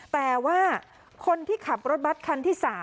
แต่ว่าคนที่ขับรถบัตรคันที่๓